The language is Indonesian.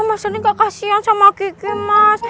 mas randy gak kasihan sama kiki mas